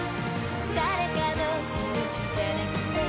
「誰かのいのちじゃなくて」